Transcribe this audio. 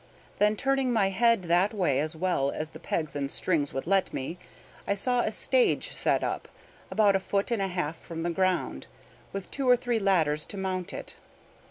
Then, turning my head that way as well as the pegs and strings would let me, I saw a stage set up, about a foot and a half from the ground, with two or three ladders to mount it.